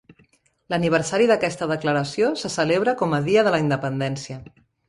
L'aniversari d'aquesta declaració se celebra com a Dia de la Independència.